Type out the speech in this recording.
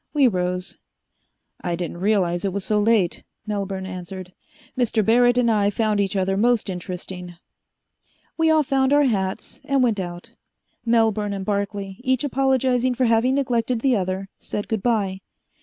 We rose. "I didn't realize it was so late," Melbourne answered. "Mr. Barrett and I have found each other most interesting." We all found our hats and went out. Melbourne and Barclay, each apologizing for having neglected the other, said good bye.